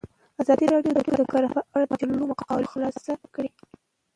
ازادي راډیو د کرهنه په اړه د مجلو مقالو خلاصه کړې.